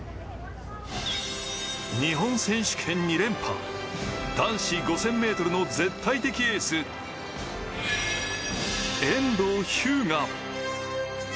日本選手権２連覇、男子５０００ｍの絶対的エース、遠藤日向。